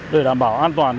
để đảm bảo an toàn